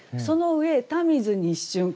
その上「田水に一瞬」